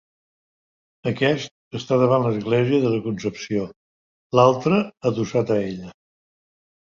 Aquest està davant l'església de la Concepció l'altre adossat a ella.